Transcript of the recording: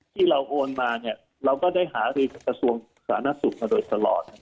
ที่เราโอนมาเราก็ได้หารีบกับส่วนสาธารณสุขมาโดยตลอด